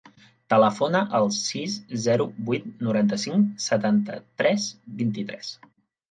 Telefona al sis, zero, vuit, noranta-cinc, setanta-tres, vint-i-tres.